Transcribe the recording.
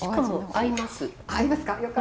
合いますか。